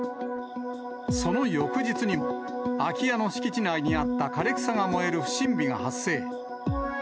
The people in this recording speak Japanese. その翌日にも、空き家の敷地内にあった枯れ草が燃える不審火が発生。